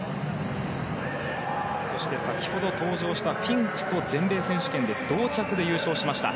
そして先ほど登場したフィンクと全米選手権で同着で優勝しました。